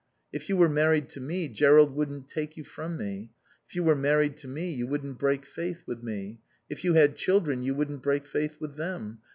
If you were married to me Jerrold wouldn't take you from me. If you were married to me you wouldn't break faith with me. If you had children you wouldn't break faith with them.